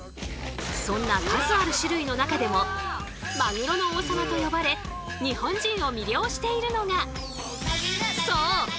そんな数ある種類の中でもマグロの王様と呼ばれ日本人を魅了しているのがそう！